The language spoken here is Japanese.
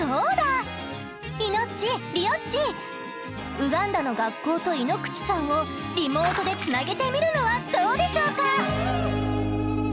ウガンダの学校と井ノ口さんをリモートでつなげてみるのはどうでしょうか？